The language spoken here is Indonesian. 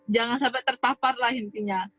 jangan sampai terpapar lah intinya